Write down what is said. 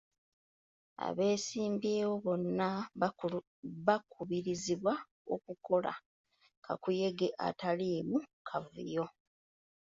Abeesimbyewo bonna baakubirizibwa okukola kakuyege ataliimu kavuyo.